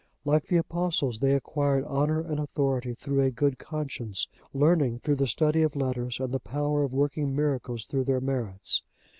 Like the Apostles, they acquired honour and authority through a good conscience, learning through the study of letters, and the power of working miracles through their merits.